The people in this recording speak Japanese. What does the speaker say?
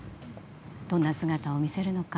どんな姿を見せるのか。